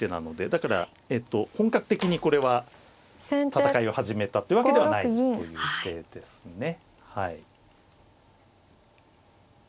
だから本格的にこれは戦いを始めたってわけではないという手ですね。